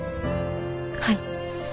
はい。